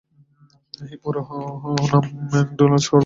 এর পুরো নাম ম্যাকডোনাল্ড’স কর্পোরেশন।